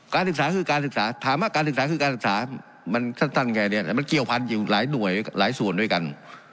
ศึกษาคือการศึกษาถามว่าการศึกษาคือการศึกษามันสั้นไงเนี่ยแต่มันเกี่ยวพันธุ์อยู่หลายหน่วยหลายส่วนด้วยกัน